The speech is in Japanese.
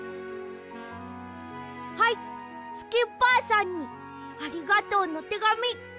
はいスキッパーさんにありがとうのてがみ。